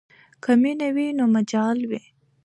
که مینه وي نو مجال وي.